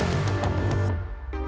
nah kita makan dulu